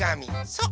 そう！